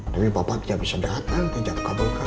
tapi bapak tidak bisa datang hijab kabulkan